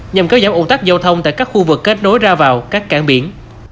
nhằm kéo giảm ủng tắc giao thông tại các khu vực kết nối ra vào các cảng biển